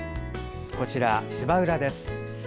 こちら、芝浦です。